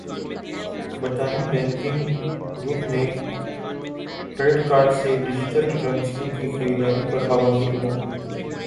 برطانوی banking group نے credit card سے ڈیجیٹل کرنسیوں کی خریداری پرپابندی لگادی